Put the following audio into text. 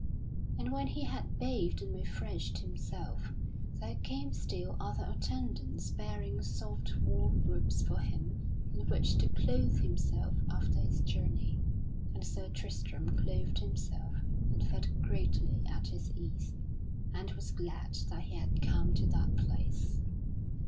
And when he had bathed and refreshed himself, there came still other attendants bearing soft warm robes for him in which to clothe himself after his journey; and Sir Tristram clothed himself and felt greatly at his ease, and was glad that he had come to that place.